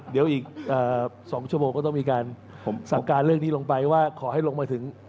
เดี๋ยวอีก๒ชั่วโมงก็ต้องมีการสั่งการเรื่องนี้ลงไปว่าขอให้ลงมาถึง